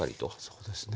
そうですね。